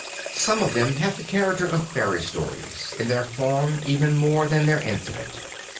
Some of them have the character of fairy stories, in their form even more than their incident.